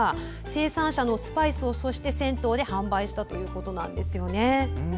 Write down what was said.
生産者のスパイスを銭湯で販売したということです。